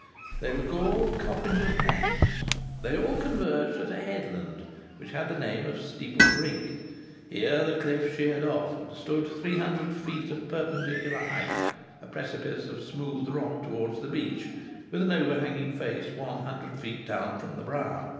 They were called "Coppinger's Tracks." They all converged at a headland which had the name of Steeple Brink. Here the cliff sheered off, and stood three hundred feet of perpendicular height, a precipice of smooth rock towards the beach, with an overhanging face one hundred feet down from the brow.